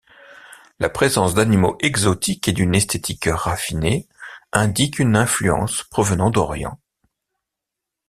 La présence d'animaux exotiques et d'une esthétique raffinée indiquent une influence provenant d'Orient.